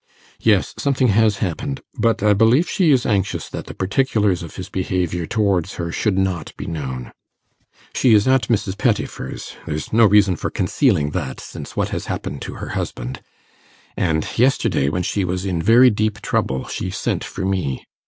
'Yes, something has happened; but I believe she is anxious that the particulars of his behaviour towards her should not be known. She is at Mrs. Pettifer's there is no reason for concealing that, since what has happened to her husband; and yesterday, when she was in very deep trouble, she sent for me.